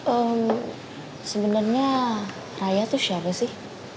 eee sebenernya raya tuh siapa sih